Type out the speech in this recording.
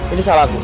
ini salah gue